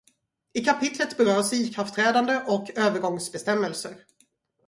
I kapitlet berörs ikraftträdande och övergångsbestämmelser.